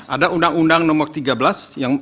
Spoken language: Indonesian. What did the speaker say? ada undang undang nomor tiga belas yang